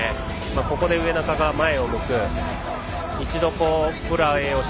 ここで植中が前を向く。